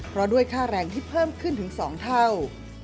เพราะด้วยค่าแรงที่เพิ่มขึ้นถึง๒เท่า